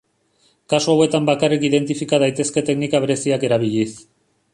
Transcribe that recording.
Kasu hauetan bakarrik identifika daitezke teknika bereziak erabiliz.